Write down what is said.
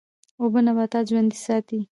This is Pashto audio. اوبه نباتات ژوندی ساتي.